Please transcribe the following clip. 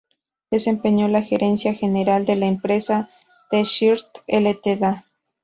Desempeñó la Gerencia General de la empresa "T-Shirt Ltda.